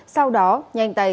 sau đó nhanh tay